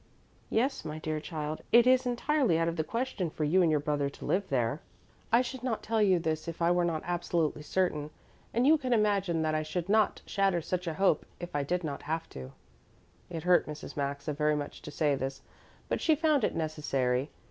"Yes, my dear child. It is entirely out of the question for you and your brother to live there. I should not tell you this if I were not absolutely certain, and you can imagine that I should not shatter such a hope if I did not have to." It hurt Mrs. Maxa very much to say this, but she found it necessary.